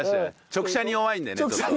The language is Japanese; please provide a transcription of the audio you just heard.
直射に弱いんでねちょっと。